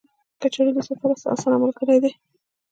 کچالو د سفر اسانه ملګری دی